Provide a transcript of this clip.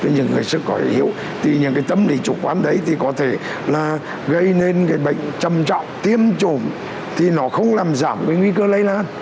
những người sức khỏe yếu thì những tâm lý chủ quan đấy có thể gây nên bệnh trầm trọng tiêm chủng thì nó không làm giảm nguy cơ lây lan